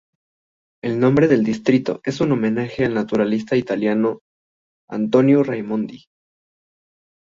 El nombre del distrito es un homenaje al naturalista italiano Antonio Raimondi.